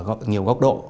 ở nhiều góc độ